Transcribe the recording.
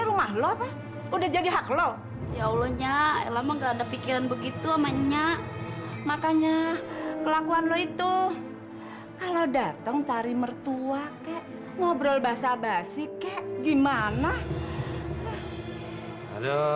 tari mertua kek ngobrol bahasa bahasa ini nanti aja dianggap jadi hak lo ya udah jadi hak lo ya allah nyak emang nggak ada pikiran begitu sama nyak makanya kelakuan lo itu kalau datang cari mertua kek ngobrol bahasa ini mbak mbak kayak itu orangnya itu keluar dari rumah lo kalau datang cari mertua kek ngobrol bahasa ini mbak mbak